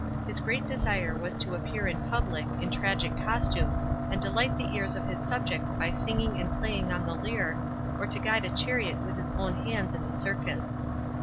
His gnat desire was to appear in public, in tragic costume, and delight the ears of his subjects by singing and playing )n the lyre, or to guide a chariot with his own hands in the circus.